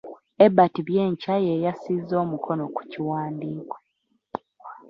Ebert Byenkya ye yassizza omukono ku kiwandiiko.